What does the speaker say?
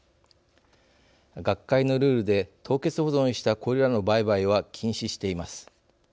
学会のルールで凍結保存したこれらの売買は禁止しています。